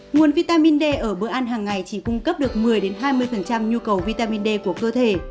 nguồn vitamin d ở bữa ăn hàng ngày chỉ cung cấp được một mươi hai mươi nhu cầu vitamin d của cơ thể